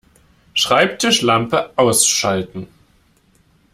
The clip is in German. Schreibtischlampe ausschalten